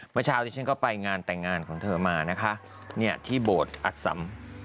เมื่อเช้าที่ฉันก็ไปงานแต่งงานของเธอมานะคะที่โบสถ์อักษัม